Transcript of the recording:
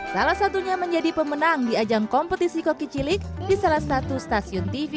salah satunya menjadi pemenang di ajang kompetisi koki cilik di salah satu stasiun tv